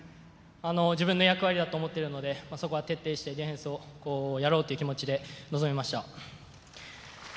自分の役割だと思っているので、そこは徹底してディフェンスをやろうという気持ちで臨みました。